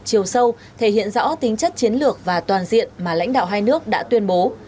chiều sâu thể hiện rõ tính chất chiến lược và toàn diện mà lãnh đạo hai nước đã tuyên bố